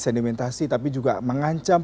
sedimentasi tapi juga mengancam